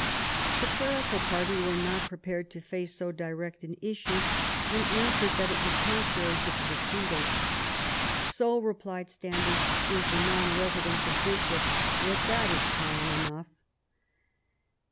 The clerical party were not prepared to face so direct an issue, and answered that it was contrary to the decretals. " So," replied Standish, "is the non residence of bishops; yet that is common enough."